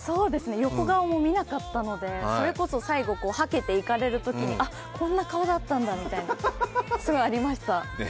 横顔も見なかったので最後はけていかれるときにあっ、こんな顔だったんだみたいなすごいありました。